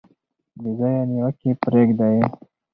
بې ځایه نیوکې پریږدئ.